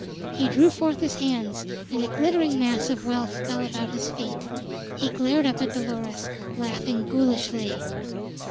He drew forth his hands, and a glittering mass of wealth fell about his feet. He glared up at Dolores, laughing ghoulishly.